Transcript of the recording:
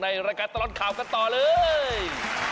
รายการตลอดข่าวกันต่อเลย